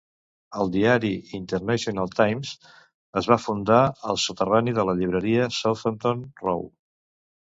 El diari "International Times" es va fundar al soterrani de la llibreria Southampton Row.